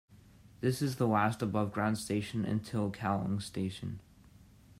This is the last above-ground station until Kallang station.